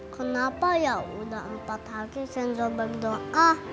kenapa ya udah empat hari kenzo berdoa